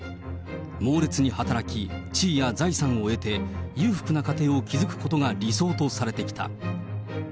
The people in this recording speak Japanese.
猛烈に働き、地位や財産を得て裕福な家庭を築くことが理想とされてきた。